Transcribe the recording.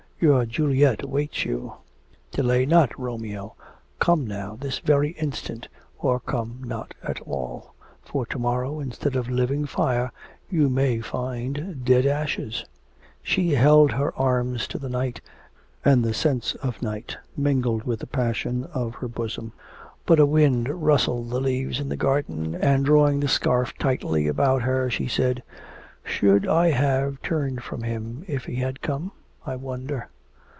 Your Juliet awaits you; delay not, Romeo; come now, this very instant, or come not at all, for to morrow instead of living fire, you may find dead ashes.' She held her arms to the night, and the scents of night mingled with the passion of her bosom. But a wind rustled the leaves in the garden, and, drawing the scarf tightly about her, she said: 'Should I have turned from him if he had come, I wonder?